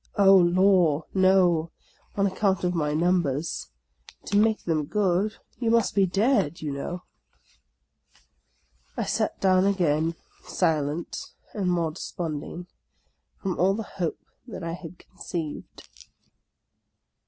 " Oh, law, no ! on account of my numbers ! To make them good, you must be dead, you know !" OF A CONDEMNED 85 I sat down again, silent, and more desponding, from all the hope that I had conceived.